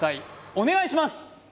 お願いします